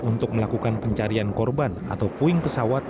untuk melakukan pencarian korban atau puing pesawat